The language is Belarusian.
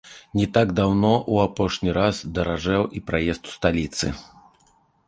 Не так даўно апошні раз даражэў і праезд у сталіцы.